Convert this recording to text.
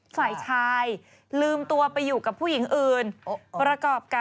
ไม่ใช่แค่เฉพาะคุณพ่อหรอกค่ะ